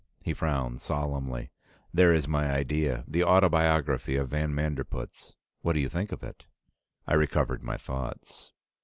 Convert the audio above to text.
He frowned solemnly. "There is my idea. The autobiography of van Manderpootz. What do you think of it?" I recovered my thoughts.